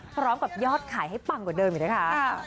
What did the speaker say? พร้อมกับยอดขายให้ปังกว่าเดิมอยู่นะคะ